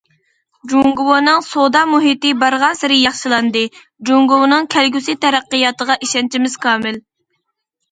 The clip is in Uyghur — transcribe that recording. جۇڭگونىڭ سودا مۇھىتى بارغانسېرى ياخشىلاندى، جۇڭگونىڭ كەلگۈسى تەرەققىياتىغا ئىشەنچىمىز كامىل.